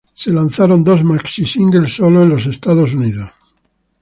Se lanzaron dos maxi singles sólo en Estados Unidos.